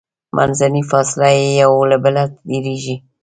منځنۍ فاصله یې یو له بله ډیریږي.